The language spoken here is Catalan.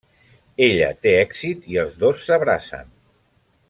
Ella té èxit i els dos s'abracen.